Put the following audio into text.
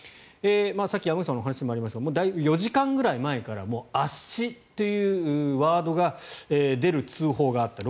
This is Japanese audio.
さっき山口さんのお話にもありましたがだいぶ４時間ぐらい前から圧死というワードが出る通報があった。